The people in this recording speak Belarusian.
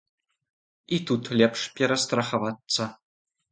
І тут лепш перастрахавацца.